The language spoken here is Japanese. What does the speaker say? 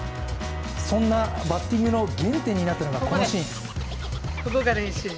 そんなバッティングの原点になっているのがこのシーン。